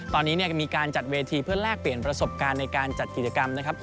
ตอนนี้ก็มีการจัดเวทีเพื่อแลกเปลี่ยนประสบการณ์ในการจัดกิจกรรมนะครับ